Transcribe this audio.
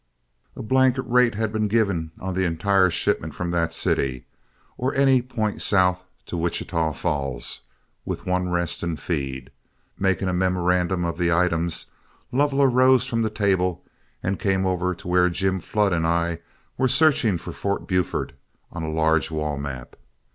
A blanket rate had been given on the entire shipment from that city, or any point south, to Wichita Falls, with one rest and feed. Making a memorandum of the items, Lovell arose from the table and came over to where Jim Flood and I were searching for Fort Buford on a large wall map.